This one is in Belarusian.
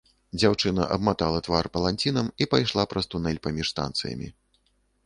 Дзяўчына абматала твар паланцінам і пайшла праз тунэль паміж станцыямі.